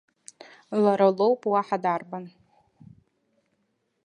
Лара лоуп, уаҳа дарбан!